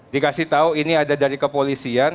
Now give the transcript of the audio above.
dikasih tahu ini ada dari kepolisian